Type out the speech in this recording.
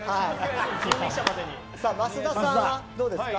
増田さんはどうですか。